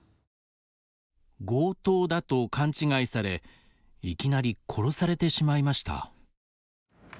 強盗だと勘違いされいきなり殺されてしまいました。